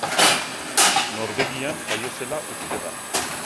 Norbegian jaio zela uste da.